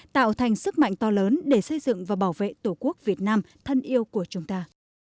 tạo thành sức mạnh to lớn để xây dựng và bảo vệ tổ quốc việt nam thân yêu của chúng ta